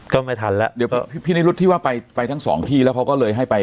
ก็ไม่ทันแล้วเดี๋ยวพี่นิรุธที่ว่าไปไปทั้งสองที่แล้วเขาก็เลยให้ไป